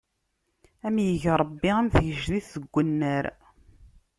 Ad am-ig Ṛebbi am tgejdit deg unnar!